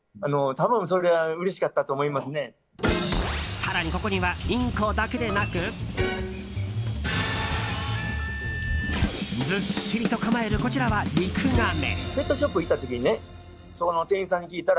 更に、ここにはインコだけでなくずっしりと構えるこちらはリクガメ！